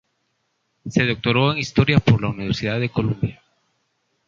Se doctoró en Historia por la Universidad de Columbia.